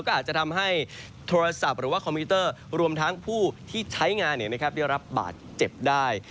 ก็อาจจะทำให้โทรศัพท์หรือว่าคอมพิวเตอร์รวมทั้งผู้ที่ใช้งานได้รับบาดเจ็บได้